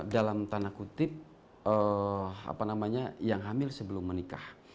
dalam tanda kutip yang hamil sebelum menikah